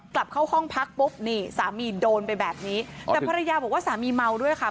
กลับเข้าห้องพักปุ๊บนี่สามีโดนไปแบบนี้แต่ภรรยาบอกว่าสามีเมาด้วยค่ะ